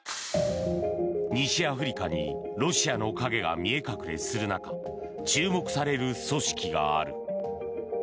西アフリカにロシアの影が見え隠れする中注目される組織がある。